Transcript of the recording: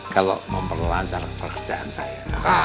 kalau memperlancar pekerjaan saya